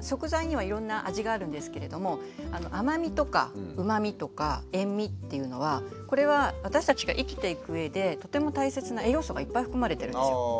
食材にはいろんな味があるんですけれども甘味とかうまみとか塩味っていうのはこれは私たちが生きていく上でとても大切な栄養素がいっぱい含まれてるんですよ。